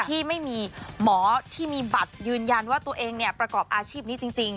ที่ไม่มีหมอที่มีบัตรยืนยันว่าตัวเองประกอบอาชีพนี้จริง